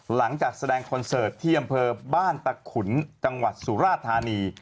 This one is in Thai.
หลังจากแสดงคอนเสิร์ตที่อำเภอบ้านตะขุนจังหวัดสุราธานี